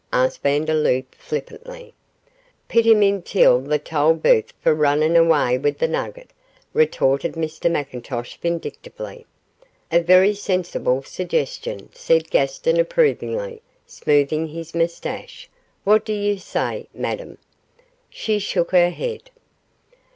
asked Vandeloup, flippantly. 'Pit him intil the Tolbooth for rinnin' awa' wi' the nugget,' retorted Mr McIntosh, vindictively. 'A very sensible suggestion,' said Gaston, approvingly, smoothing his moustache. 'What do you say, Madame?' She shook her head.